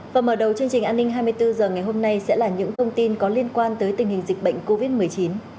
và mở đầu chương trình an ninh hai mươi bốn h ngày hôm nay sẽ là những thông tin có liên quan tới tình hình dịch bệnh covid một mươi chín